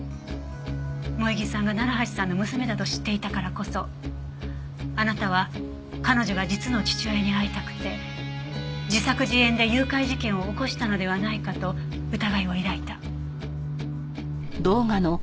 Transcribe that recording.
萌衣さんが楢橋さんの娘だと知っていたからこそあなたは彼女が実の父親に会いたくて自作自演で誘拐事件を起こしたのではないかと疑いを抱いた。